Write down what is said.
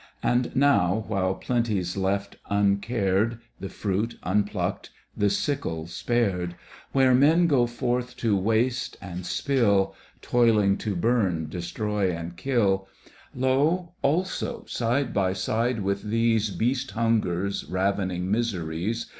And now, while plenty's left uncared, The fruit unplucked, the sickle spared, Where men go forth to waste and spill. Toiling to bum, destroy, and kill, Lo, also side by side with these Beast hungers, ravening miseries.